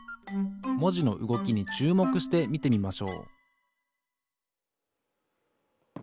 もじのうごきにちゅうもくしてみてみましょう